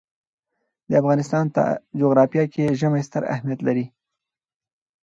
د افغانستان جغرافیه کې ژمی ستر اهمیت لري.